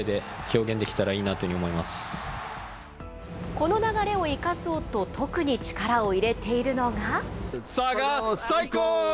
この流れを生かそうと、特に力を入れているのが。